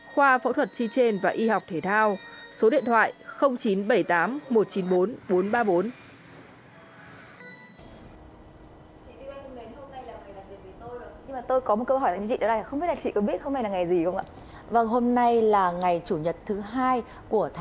khoa phẫu thuật chi trên và y học thể thao bệnh viện hữu nghị việt đức